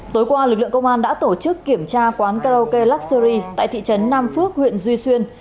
tối qua lực lượng công an đã tổ chức kiểm tra quán karaoke luxury tại thị trấn nam phước huyện duy xuyên